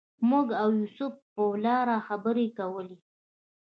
موږ او یوسف په ولاړه خبرې کولې.